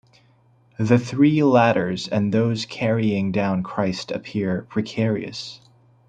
The three ladders and those carrying down Christ appear precarious.